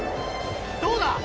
どうだ！